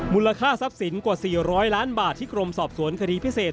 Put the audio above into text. มูลค่าทรัพย์สินกว่า๔๐๐ล้านบาทที่กรมสอบสวนคดีพิเศษ